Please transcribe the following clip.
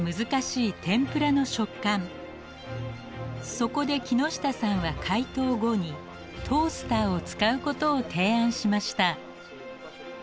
そこで木下さんは解凍後にトースターを使うことを提案しました。